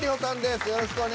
よろしくお願いします。